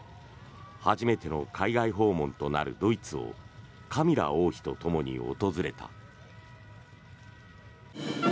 初めての海外訪問となるドイツをカミラ王妃とともに訪れた。